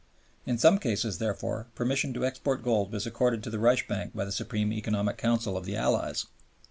In some cases, therefore, permission to export gold was accorded to the Reichsbank by the Supreme Economic Council of the Allies.